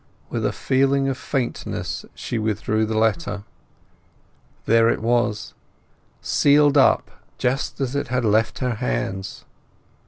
With a feeling of faintness she withdrew the letter. There it was—sealed up, just as it had left her hands.